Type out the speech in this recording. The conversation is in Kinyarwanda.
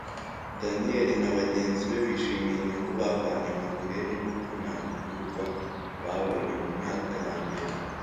daniyeli na bagenzi be bishimiye inyungu bavanye mu burere no kunagurwa babonye mu myaka ya mbere